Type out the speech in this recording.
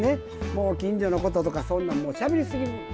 近所のこととかそんなんしゃべりすぎ。